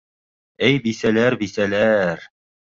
Эй, бисәләр, бисәләр